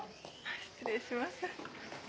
失礼します。